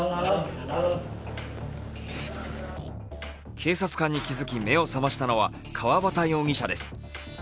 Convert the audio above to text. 警察官に気づき、目を覚ましたのは川端容疑者です。